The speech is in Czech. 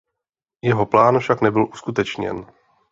Jeho plán však nebyl uskutečněn.